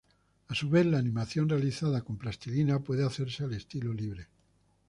A su vez, la animación realizada con plastilina puede hacerse al estilo libre.